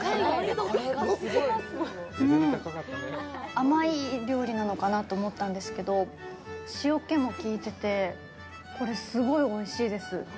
甘い料理なのかなと思ったんですけど塩気もきいててこれ、すごいおいしいです。